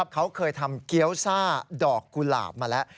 เขาเคยทำเกี้ยวซ่าดอกกุหลาบมาแล้ว